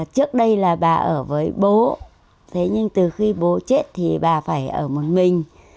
trước đây là bà ở với bố thế nhưng từ khi bố chết thì bà phải ở một mình